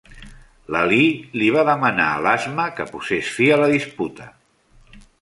L'Ali li va demanar a l'Asma que posés fi a la disputa.